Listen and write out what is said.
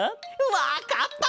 わかった！